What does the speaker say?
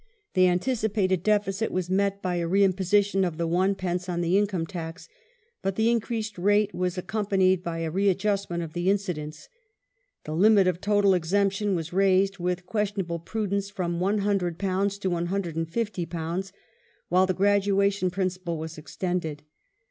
The antici pated deficit was met by a reimposition of the Id. on the income tax, but the increased rate was accompanied by a readjustment of the incidence. The limit of total exemption was raised, with questionable prudence, from £100 to £150, while the graduation principle was extended.